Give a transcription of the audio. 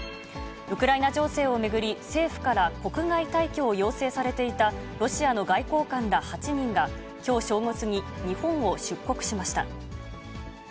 ウクライナ情勢を巡り、政府から国外退去を要請されていたロシアの外交官ら８人が、きょう正午過ぎ、日本を出国しました。